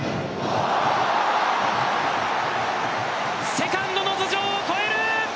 セカンドの頭上を越える！